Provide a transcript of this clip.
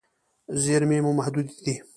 زیرمې مو محدودې دي.